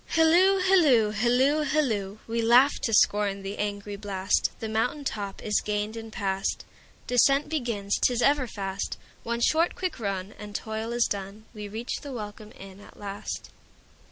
Hilloo, hilloo, hilloo, hilloo! We laugh to scorn the angry blast, The mountain top is gained and past. Descent begins, 't is ever fast—One short quick run, and toil is done, We reach the welcome inn at last.